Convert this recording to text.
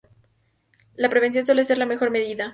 La prevención suele ser la mejor medida.